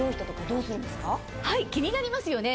気になりますよね